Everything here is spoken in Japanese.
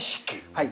はい。